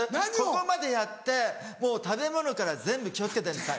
ここまでやって食べ物から全部気を付けてんです